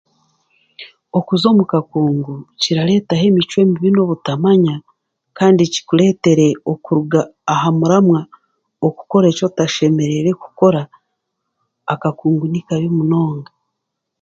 Okuza omu kakungu, kirareetaho emicwe mibi n'obutamanya, kandi kikureetere okuruga aha muramwa, okukora eky'otashemereire kukora, akakungu ni kabi munonga.